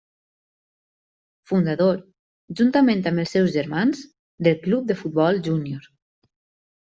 Fundador, juntament amb els seus germans del Club de Futbol Junior.